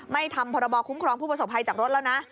ไม่ทำพรบคุ้มครองผู้ประสบภัยจากรถแล้วนะ